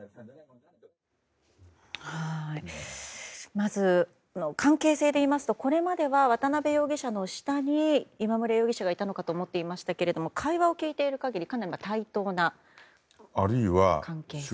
まず、関係性でいいますとこれまでは渡邉容疑者の下に今村容疑者がいたのかと思っていましたけれども会話を聞いている限りかなり対等な関係ですね。